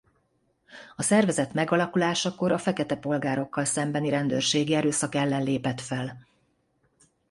A szervezet megalakulásakor a fekete polgárokkal szembeni rendőrségi erőszak ellen lépett fel.